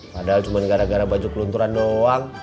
padahal cuma gara gara baju kelunturan doang